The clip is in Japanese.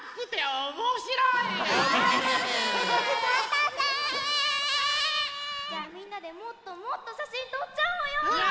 おまたせ！じゃみんなでもっともっとしゃしんとっちゃおうよ！